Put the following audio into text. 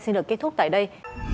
xin được kết thúc tại đây